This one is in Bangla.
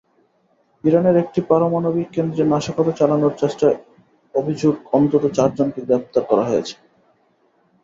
ইরানের একটি পারমাণবিক কেন্দ্রে নাশকতা চালানোর চেষ্টার অভিযোগে অন্তত চারজনকে গ্রেপ্তার করা হয়েছে।